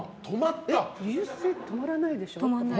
流星って止まらないでしょ。